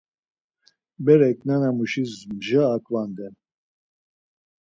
Berek nana muşis mja aǩvanden.